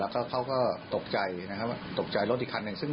เขาก็ตกใจรถอีกคันหนึ่ง